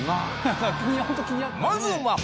まずは！